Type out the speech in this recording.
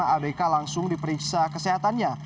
abk langsung diperiksa kesehatannya